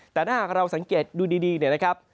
แต่ถ้าหากเราสังเกตดูดีเนี่ยนะครับ